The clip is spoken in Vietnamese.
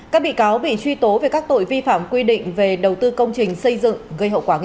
các bị cáo bị truy tố về các tội vi phạm quy định về đầu tư công trình xây dựng